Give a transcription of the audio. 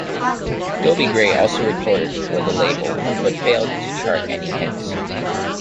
Dobie Gray also recorded for the label but failed to chart any hits.